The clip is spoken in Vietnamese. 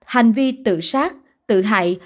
hành vi tự sát tự hại